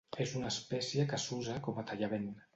És una espècie que s'usa com a tallavent.